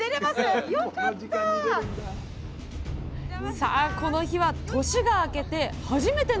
さあこの日は年が明けて初めての漁！